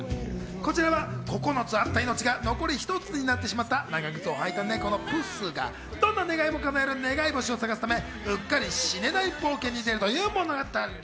こちらは９つあった命が残り一つになってしまった、長ぐつをはいた猫のプスがどんな願いも叶える願い星を探すため、うっかり死ねない冒険に出るという物語。